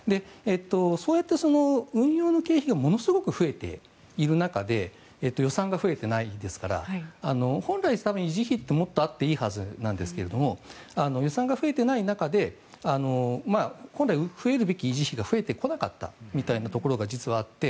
そうやって、運用の経費がものすごく増えている中で予算が増えていないですから本来、維持費ってもっとあっていいはずなんですが予算が増えていない中で本来増えるべき維持費が増えてこなかったみたいなところが実はあって。